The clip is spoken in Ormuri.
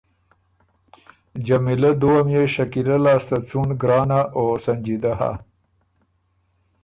جمیلۀ دُوه ميې شکیلۀ لاسته څُون ګرانه او سنجیدۀ هۀ،